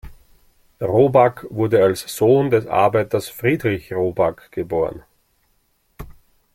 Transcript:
Robak wurde als Sohn des Arbeiters Friedrich Robak geboren.